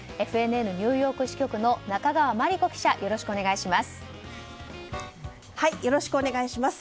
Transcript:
ＦＮＮニューヨーク支局の中川真理子記者よろしくお願いします。